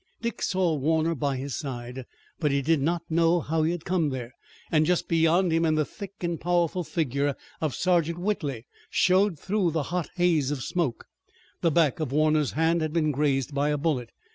Dick saw Warner by his side, but he did not know how he had come there, and just beyond him the thick and powerful figure of Sergeant Whitley showed through the hot haze of smoke. The back of Warner's hand had been grazed by a bullet.